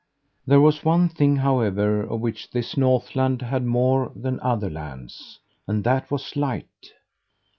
There was one thing, however, of which this Northland had more than other lands, and that was light.